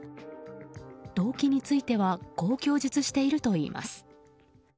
動機についてはこう供述しているといいます。